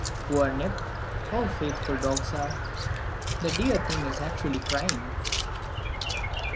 "Poor Nip! How faithful dogs are! The dear thing is actually crying!"